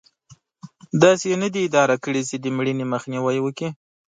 داسې یې نه دي اداره کړې چې د مړینې مخنیوی وکړي.